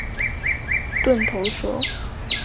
这种钝头蛇主要以蜗牛为食。